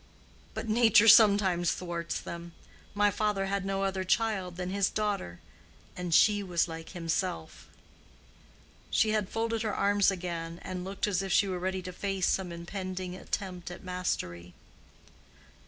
But nature sometimes thwarts them. My father had no other child than his daughter, and she was like himself." She had folded her arms again, and looked as if she were ready to face some impending attempt at mastery.